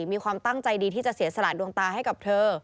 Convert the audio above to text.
มีความตั้งใจดีที่จะเสียสละดวงตาให้กับเธอ